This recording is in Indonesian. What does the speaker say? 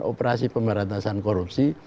operasi pemberantasan korupsi